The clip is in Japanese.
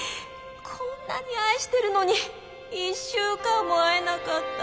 こんなに愛してるのに１週間も会えなかった。